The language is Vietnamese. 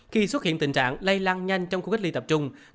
khi xuất hiện tình trạng lây lan nhanh trong khu cách ly tập trung